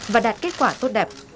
và đạt kết quả tốt đẹp